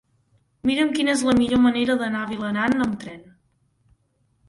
Mira'm quina és la millor manera d'anar a Vilanant amb tren.